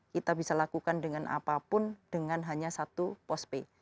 kita bisa lakukan dengan apapun dengan hanya satu postpay